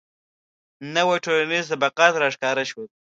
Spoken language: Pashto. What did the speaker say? • نوي ټولنیز طبقات راښکاره شول.